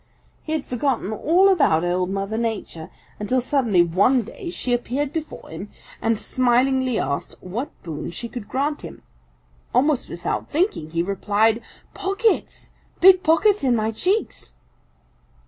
He had forgotten all about Old Mother Nature until suddenly one day she appeared before him and smilingly asked what boon she could grant him. Almost without thinking he replied, 'Pockets! Big pockets in my cheeks!'